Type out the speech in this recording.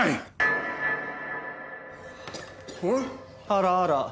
あらあら。